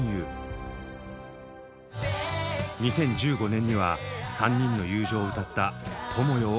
２０１５年には３人の友情を歌った「友よ」を発表。